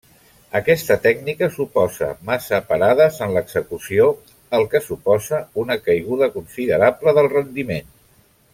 Aquesta tècnica suposa massa parades en l'execució, el que suposa una caiguda considerable del rendiment.